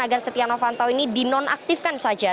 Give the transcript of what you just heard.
agar setia novanto ini dinonaktifkan saja